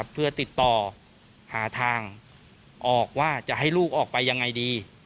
เพื่อติดต่อหาทางออกว่าจะให้ลูกออกไปยังไงดี